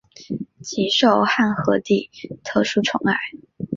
甚受汉和帝特殊宠爱。